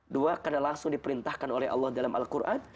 dua karena langsung diperintahkan oleh allah dalam al quran